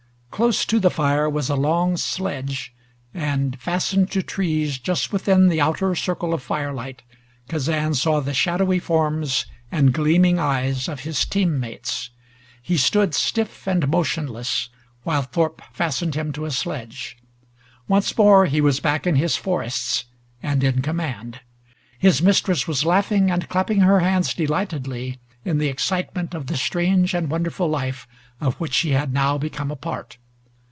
Close to the fire was a long sledge, and fastened to trees just within the outer circle of firelight Kazan saw the shadowy forms and gleaming eyes of his team mates. He stood stiff and motionless while Thorpe fastened him to a sledge. Once more he was back in his forests and in command. His mistress was laughing and clapping her hands delightedly in the excitement of the strange and wonderful life of which she had now become a part.